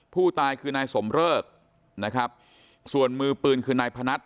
ผู้ตายคือนายสมเริกนะครับส่วนมือปืนคือนายพนัท